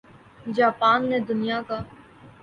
Japan نے دنیا کا